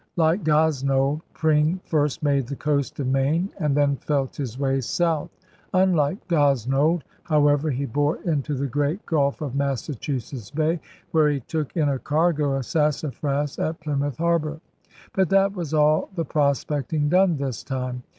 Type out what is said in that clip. Like Gosnold, Pring first made the coast of Maine and then felt his way south. Unlike Gosnold, however, he *bore into the great Gulfe' of Massa chusetts Bay, where he took in a cargo of sassafras at Plymouth Harbor. But that was all the pros pecting done this time.